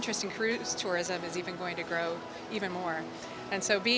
keuntungan dalam turisme perjalanan akan berkembang lebih besar